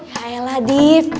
ya elah div